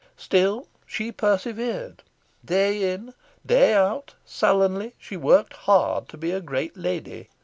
Still she persevered. Day in, day out, sullenly, she worked hard to be a great lady.